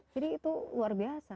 jadi itu luar biasa